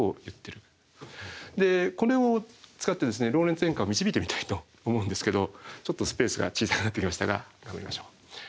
これを使ってローレンツ変換を導いてみたいと思うんですけどちょっとスペースが小さくなってきましたが頑張りましょう。